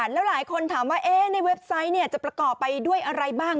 แล้วหลายคนถามว่าในเว็บไซต์จะประกอบไปด้วยอะไรบ้าง